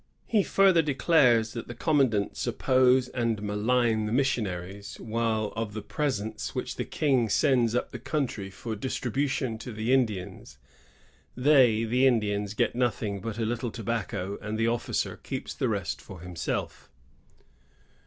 He further declares that the commandants oppose and malign the missionaries, while of the presents which the King sends up the country for distribution to the Indians, they, the Indians, get nothing but a 1563 1702.] MICHILIMACKINAC. 121 little tobacco, and the officer keeps the rest for him* 8elf.